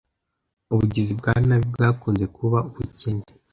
Ubugizi bwa nabi bwakunze kuba ubukene.